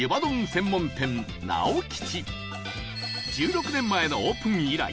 専門店、直吉１６年前のオープン以来